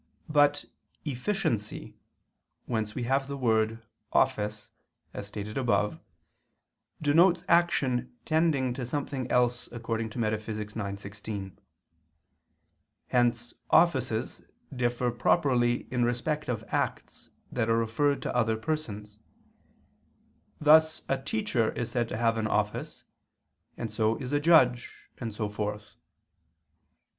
But efficiency, whence we have the word "office" (as stated above), denotes action tending to something else according to Metaph. ix, text. 16 [*Ed. Did. viii, 8]. Hence offices differ properly in respect of acts that are referred to other persons; thus a teacher is said to have an office, and so is a judge, and so forth.